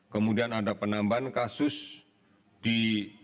kemudian ada penambahan kasus di jawa tengah satu orang meninggal sehingga jumlahnya menjadi tiga